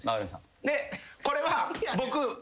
でこれは僕。